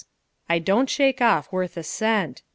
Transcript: I don't shake off worth a cent.